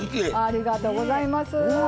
ありがとうございます。